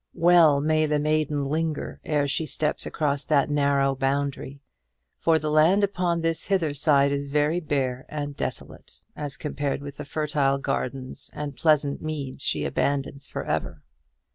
Well may the maiden linger ere she steps across that narrow boundary; for the land upon this hither side is very bare and desolate as compared with the fertile gardens and pleasant meads she abandons for ever.